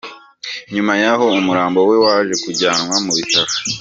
Nyuma yaho umurambo we waje kujyanwa mu bitaro.